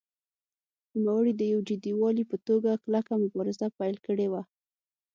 نوموړي د یو جدي والي په توګه کلکه مبارزه پیل کړې وه.